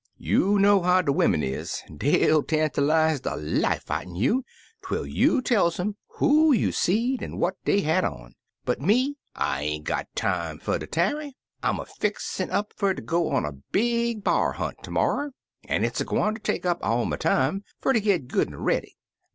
You know how de wimmin is — dey '11 tantalize de life out'n you twel you tells um who you seed an' what dey had on. But me I I ain't got time fer ter tarry, I 'm fixin' up fer ter go on a big b'ar hunt termorrer, an' it's a gwineter take up all my time fer ter git good an' ready.